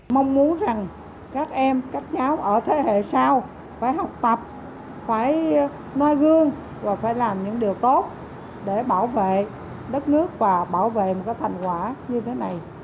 mong muốn rằng các em các cháu ở thế hệ sau phải học tập phải noi gương và phải làm những điều tốt để bảo vệ đất nước và bảo vệ một thành quả như thế này